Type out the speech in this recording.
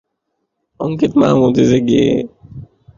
চলচ্চিত্রটিকে সমালোচকেরা ইতিবাচক হিসেবে গ্রহণ করে।